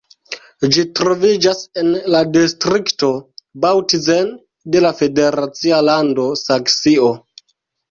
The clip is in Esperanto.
Ĝi troviĝas en la distrikto Bautzen de la federacia lando Saksio.